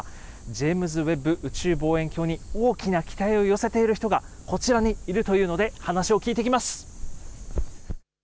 ジェームズ・ウェッブ宇宙望遠鏡に大きな期待を寄せている人が、こちらにいるというので、話を聞いてきます。